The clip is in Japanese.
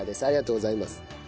ありがとうございます。